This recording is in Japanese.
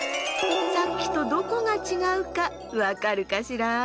さっきとどこがちがうかわかるかしら？